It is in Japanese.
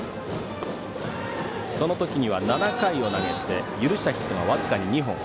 その時には７回を投げて許したヒットは僅か２本。